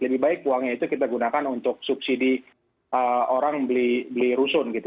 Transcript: lebih baik uangnya itu kita gunakan untuk subsidi orang beli rusun gitu